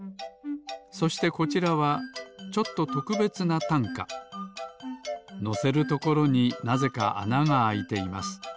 そしてこちらはちょっととくべつなたんかのせるところになぜかあながあいています。